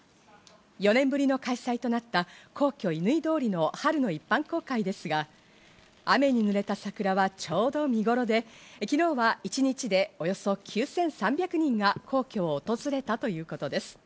４年ぶりの開催となった、皇居・乾通りの春の一般公開ですが、雨に濡れた桜はちょうど見頃で、昨日は一日でおよそ９３００人が皇居を訪れたということです。